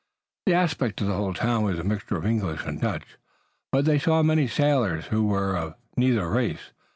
The aspect of the whole town was a mixture of English and Dutch, but they saw many sailors who were of neither race.